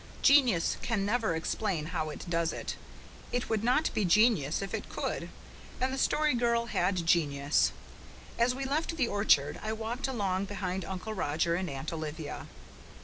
Genius can never explain how it does it. It would not be genius if it could. And the Story Girl had genius. As we left the orchard I walked along behind Uncle Roger and Aunt Olivia.